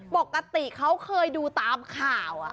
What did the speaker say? ปกติเขาเคยดูตามข่าว